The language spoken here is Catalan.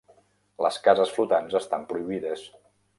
Les cases flotants estan prohibides.